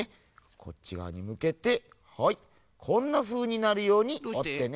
こっちがわにむけてはいこんなふうになるようにおってね。